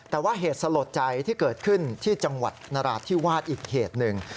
แต่ว่าเหตุสลดใจที่เกิดขึ้นที่จังหวัดนราธิวาสอีกเหตุหนึ่ง